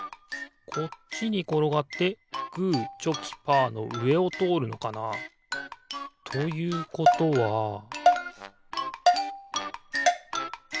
こっちにころがってグーチョキパーのうえをとおるのかな？ということはピッ！